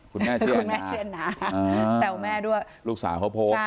คุณแม่เจ๊อันนาแต่ว่าแม่ด้วยลูกสาวเขาโพสต์